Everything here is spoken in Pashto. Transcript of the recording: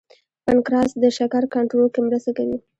پنکراس د شکر کنټرول کې مرسته کوي